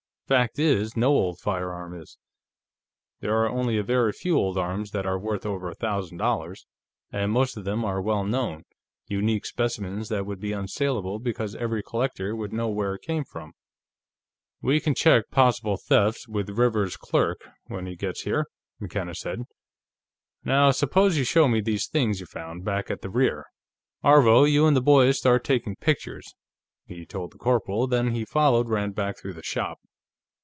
Fact is, no old firearm is. There are only a very few old arms that are worth over a thousand dollars, and most of them are well known, unique specimens that would be unsaleable because every collector would know where it came from." "We can check possible thefts with Rivers's clerk, when he gets here," McKenna said. "Now, suppose you show me these things you found, back at the rear ... Aarvo, you and the boys start taking pictures," he told the corporal, then he followed Rand back through the shop.